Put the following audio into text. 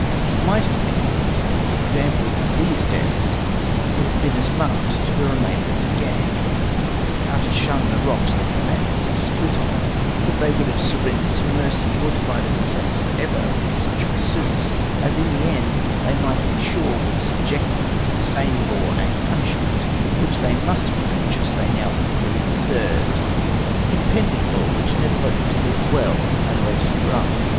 It might have been hoped that the examples of these deaths would have been as marks to the remainder of this gang, how to shun the rocks their companions had split on; that they would have surrendered to mercy, or divided themselves for ever from such pursuits, as in the end they might be sure would subject them to the same law and punishment, which they must be conscious they now equally deserved; impending law, which never let them sleep well unless when drunk.